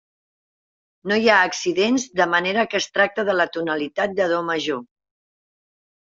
No hi ha accidents, de manera que es tracta de la tonalitat de do major.